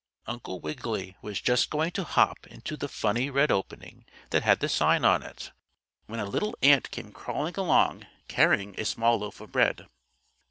Uncle Wiggily was just going to hop into the funny red opening that had the sign on it, when a little ant came crawling along, carrying a small loaf of bread.